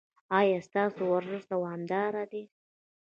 ایا ستاسو ورزش دوامدار دی؟